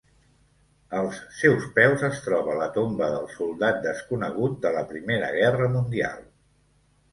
Als seus peus es troba la tomba del Soldat desconegut de la Primera Guerra Mundial.